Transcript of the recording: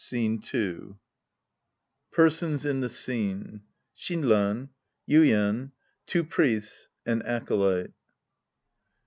Scene II PERSONS IN THE SCENE Shinran. YUIEN. Two Priests. An Acolyte.